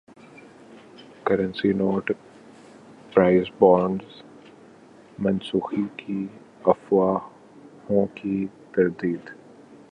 currency note prize bonds منسوخی کی افواہوں کی تردید